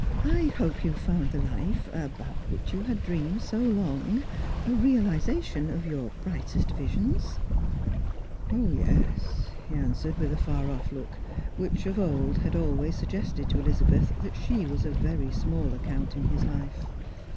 "I hope you found the life — about which you had dreamed so long — a realisation of your brightest visions ?"" Yes," he answered with a far oiF look, which of old had always suggested to Elizabeth that she was of very small account in his Hfe.